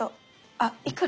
あっいくら？